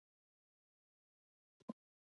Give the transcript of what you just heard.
موږ په خپل تاریخ کې ډېر علمي شخصیتونه لرو.